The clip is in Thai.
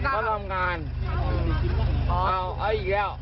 อ๋อเบรกไม่อยู่